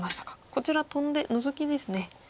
こちらトンでノゾキですね。